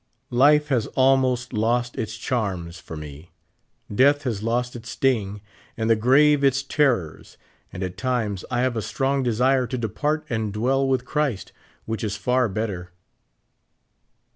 Life has almost lost its charms for me ; deatli has lost its sting, and the grave its terrors ; and at times I have a strong desire to depart and dwell with Christ, which is far better.